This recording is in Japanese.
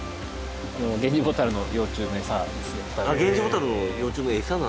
あっゲンジボタルの幼虫の餌なんですね。